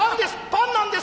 パンなんです！